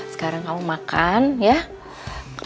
sekarang kamu makan ya